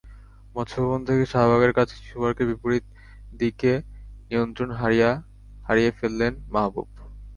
মৎস্যভবন থেকে শাহবাগের কাছে শিশুপার্কের বিপরীত দিকে নিয়ন্ত্রণ হারিয়ে ফেলেন মাহবুব।